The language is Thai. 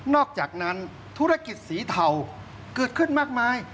อกจากนั้นธุรกิจสีเทาเกิดขึ้นมากมาย